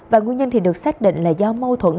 và nguyên nhân được xác định là do mâu thuẫn